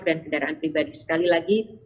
dan kendaraan pribadi sekali lagi